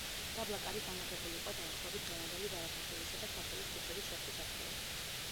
დაბლა კარი განლაგებული იყო დაახლოებით დღევანდელი ბარათაშვილისა და შავთელის ქუჩების შერთვის ადგილას.